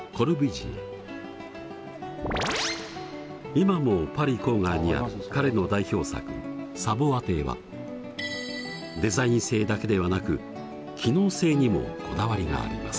今もパリ郊外にある彼の代表作サヴォア邸はデザイン性だけではなく機能性にもこだわりがあります。